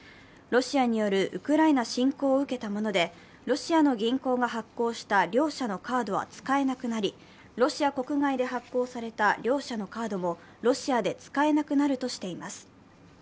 ロシアによるウクライナ侵攻を受けたもので、ロシアの銀行が発行した両社のカードは使えなくなり、ロシア国外で発行された両社のカードもロシアで使えなくなるとしています。